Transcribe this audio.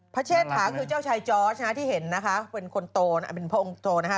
เชษฐาคือเจ้าชายจอร์สที่เห็นนะคะเป็นคนโตนะเป็นพระองค์โตนะคะ